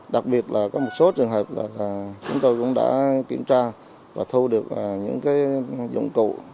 đặc biệt là có một số trường hợp là chúng tôi cũng đã kiểm tra và thu được những dụng cụ